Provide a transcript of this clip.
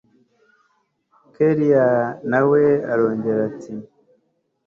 kellia nawe arongera ati